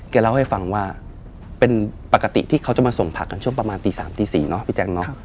เล่าให้ฟังว่าเป็นปกติที่เขาจะมาส่งผักกันช่วงประมาณตี๓ตี๔เนาะพี่แจ๊คเนอะ